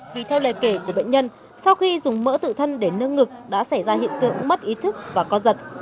vì theo lời kể của bệnh nhân sau khi dùng mỡ tự thân để nương ngực đã xảy ra hiện tượng mất ý thức và co giật